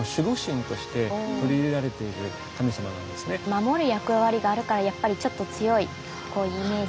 守る役割があるからやっぱりちょっと強いイメージ。